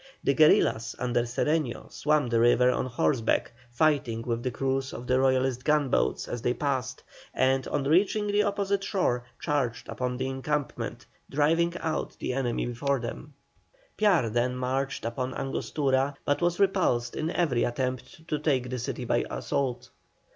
The guerillas, under Cedeño, swam the river on horseback, fighting with the crews of the Royalist gunboats as they passed, and on reaching the opposite shore charged upon the encampment, driving out the enemy before them. Piar then marched upon Angostura, but was repulsed in every attempt to take the city by assault.